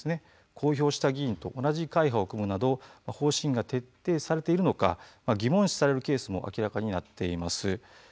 公表した議員と同じ会派を組むなど方針が徹底されているのか疑問視されるケースも明らかになっています。